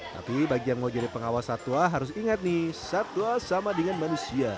tapi bagi yang mau jadi pengawas satwa harus ingat nih satwa sama dengan manusia